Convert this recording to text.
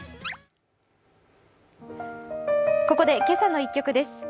ここで「けさの１曲」です。